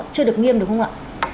chưa được nghiêm được không ạ